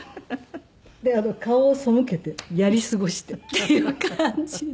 で顔を背けてやり過ごしてっていう感じで。